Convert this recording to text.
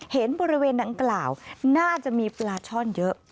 เห็นบริเวณดังกล่าวน่าจะมีปลาช่อนเยอะ